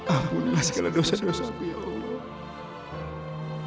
ampunlah segala dosa dosa ku ya allah